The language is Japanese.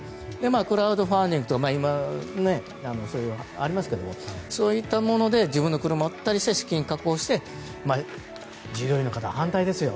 クラウドファンディングとかが今はありますがそういったもので自分の車を売ったりして資金確保をしたりして従業員の方は反対ですよ